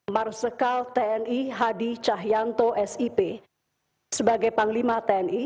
marsikal tni hadi cahyanto sip sebagai panglima tni